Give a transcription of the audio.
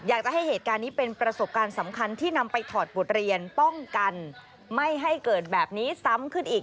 อยากจะให้เหตุการณ์นี้เป็นประสบการณ์สำคัญที่นำไปถอดบทเรียนป้องกันไม่ให้เกิดแบบนี้ซ้ำขึ้นอีก